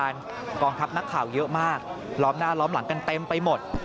ล้อมหน้าแล้วล้อมหลังกันเต็มไปหมด